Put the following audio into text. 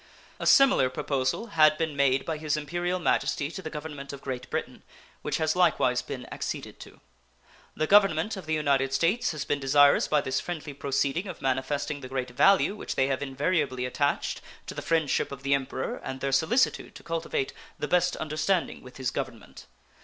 A similar proposal had been made by His Imperial Majesty to the Government of Great Britain, which has likewise been acceded to. The Government of the United States has been desirous by this friendly proceeding of manifesting the great value which they have invariably attached to the friendship of the Emperor and their solicitude to cultivate the best understanding with his Government.